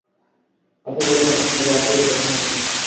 আপা বললেন, আপনি রাত জেগে পড়াশোনা করেন।